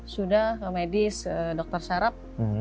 sudah ke medis ke dokter syarab